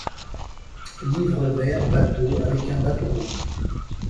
Livre vert bateaux avec un bateau rouge